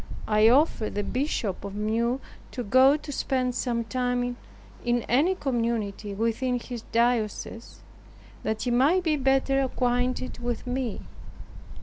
I offered the Bishop of Meaux to go to spend some time in any community within his diocese, that he might be better acquainted with me.